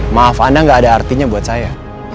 maaf anda nggak ada artinya buat saya